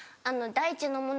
大地のもの。